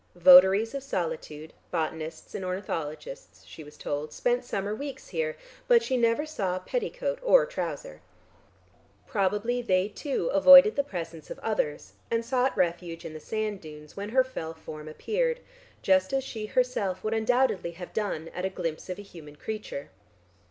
Votaries of solitude, botanists and ornithologists she was told, spent summer weeks here, but she never saw petticoat or trouser. Probably they too avoided the presence of others and sought refuge in the sand dunes when her fell form appeared, just as she herself would undoubtedly have done at a glimpse of a human creature.